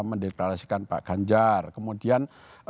mendeklarasikan pak ganjar kemudian